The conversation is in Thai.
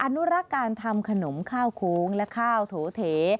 อนุรักษ์การทำขนมข้าวโค้งและข้าวโถเถ